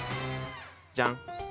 じゃん。